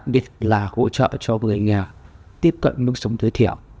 điều này là hỗ trợ cho người nghèo tiếp cận nước sống tế thiểu